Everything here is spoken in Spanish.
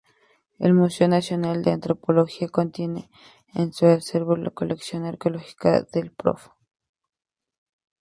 El Museo Nacional de Antropología, contiene en su acervo la colección arqueológica del Prof.